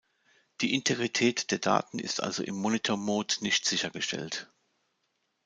Die Integrität der Daten ist also im Monitor Mode nicht sichergestellt.